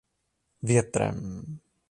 Větrem.